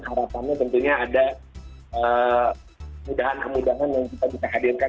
harapannya tentunya ada kemudahan kemudahan yang kita bisa hadirkan